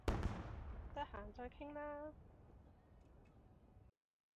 得閒再傾啦